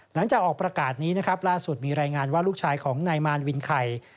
หลังจากออกประกาศนี้นะครับล่าสุดมีรายงานว่าลูกชายของนายมารวินไข่